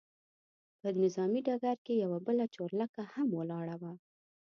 پر نظامي ډګر کې یوه بله چورلکه هم ولاړه وه.